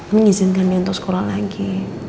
mengizinkan dia untuk sekolah lagi